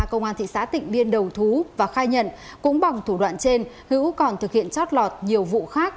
công an thị xã tịnh biên đầu thú và khai nhận cũng bằng thủ đoạn trên hữu còn thực hiện chót lọt nhiều vụ khác